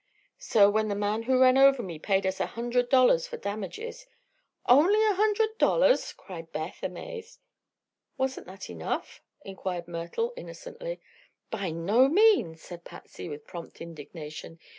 So, when the man who ran over me paid us a hundred dollars for damages " "Only a hundred dollars!" cried Beth, amazed. "Wasn't that enough?" inquired Myrtle innocently. "By no means," said Patsy, with prompt indignation.